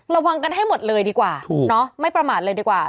ระวังกันให้หมดเลยดีกว่าเนาะไม่ประมาทเลยดีกว่า